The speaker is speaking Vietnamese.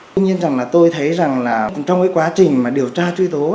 tuy nhiên rằng là tôi thấy rằng là trong cái quá trình mà điều tra truy tố